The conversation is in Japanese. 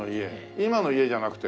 今の家じゃなくて。